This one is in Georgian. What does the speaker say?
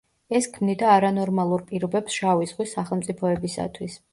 ეს ქმნიდა არანორმალურ პირობებს შავი ზღვის სახელმწიფოებისათვის.